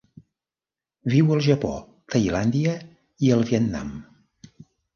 Viu al Japó, Tailàndia i el Vietnam.